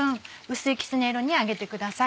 薄いきつね色に揚げてください。